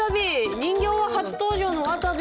人形は初登場のわたび。